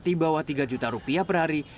di bawah tiga juta rupiah per hari